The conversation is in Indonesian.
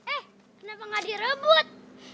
eh kenapa ga direbut